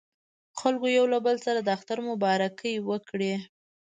خلکو یو له بل سره د اختر مبارکۍ وکړې.